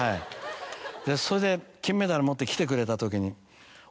それで金メダル持って来てくれた時に。